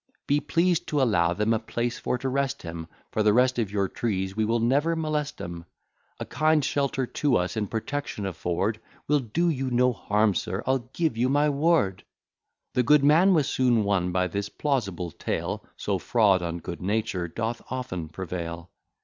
Be pleased to allow them a place for to rest 'em, For the rest of your trees we will never molest 'em; A kind shelter to us and protection afford, We'll do you no harm, sir, I'll give you my word. The good man was soon won by this plausible tale, So fraud on good nature doth often prevail.